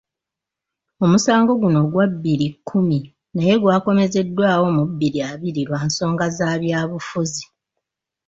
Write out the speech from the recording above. Omusango guno gwa bbiri kkumi naye gwakomezeddwawo mu bbiri abiri lwa nsonga za byabufuzi.